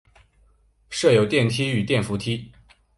设有电梯与电扶梯。